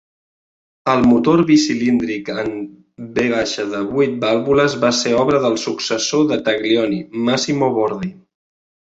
El motor bicilíndric en V de vuit vàlvules va ser obra del successor de Taglioni, Massimo Bordi.